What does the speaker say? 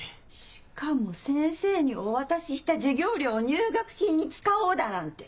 しかも先生にお渡しした授業料を入学金に使おうだなんて。